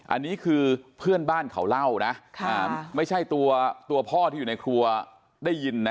อันนี้คือเพื่อนบ้านเขาเล่านะไม่ใช่ตัวพ่อที่อยู่ในครัวได้ยินนะ